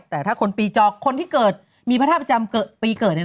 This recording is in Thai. แต่ถ้าคนปีจอกคนที่เกิดมีพระธาตุประจำปีเกิด